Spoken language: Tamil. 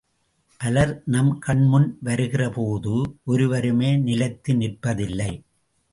பலர் நம் கண்முன் வருகிற போது ஒருவருமே நிலைத்து நிற்பதில்லை.